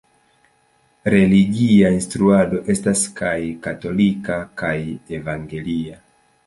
Religia instruado estas kaj katolika kaj evangelia.